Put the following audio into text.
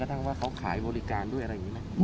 ทั้งว่าเขาขายบริการด้วยอะไรอย่างนี้นะ